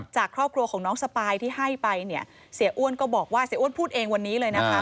จากครอบครัวของน้องสปายที่ให้ไปเนี่ยเสียอ้วนก็บอกว่าเสียอ้วนพูดเองวันนี้เลยนะคะ